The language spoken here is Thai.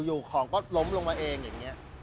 อยู่ของก็ล้มลงมาเองอย่างนี้